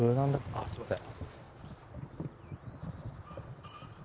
あっすみません。